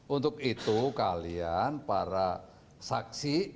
untuk itu kalian para saksi